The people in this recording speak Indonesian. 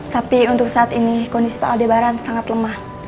tapi untuk saat ini kondisi pak aldebaran sangat lemah